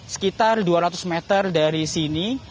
sekitar dua ratus meter dari sini